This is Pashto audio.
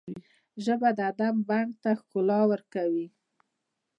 ژبه د ادب بڼ ته ښکلا ورکوي